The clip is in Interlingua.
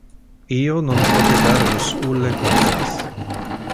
Io non pote dar vos ulle cosas.